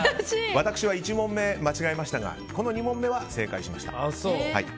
私は１問目間違いましたがこの２問目は正解しました。